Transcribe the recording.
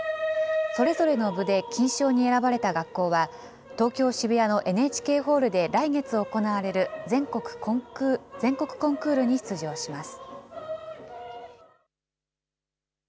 それぞれの部で金賞に選ばれた学校は、東京・渋谷のＮＨＫホールで、来月行われる全国コンクールに出場します。